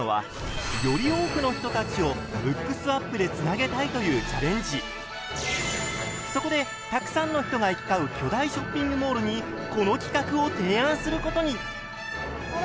だからこのサラさんが今回考えたのはそこでたくさんの人が行き交う巨大ショッピングモールにこの企画を提案することに。